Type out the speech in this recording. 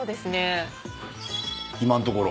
今のところ。